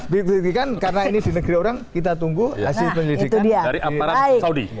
diburugikan karena ini di negeri orang kita tunggu hasil penyelidikan dari aparat saudi